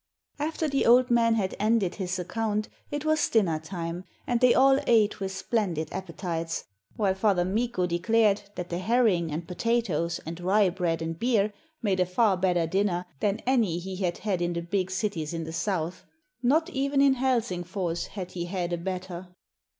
After the old man had ended his account it was dinner time, and they all ate with splendid appetites, while Father Mikko declared that the herring and potatoes and rye bread and beer made a far better dinner than any he had had in the big cities in the south not even in Helsingfors had he had a better.